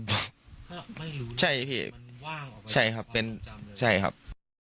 ผมเขาไม่รู้ใช่พี่มันว่างออกไปใช่ครับเป็นใช่ครับ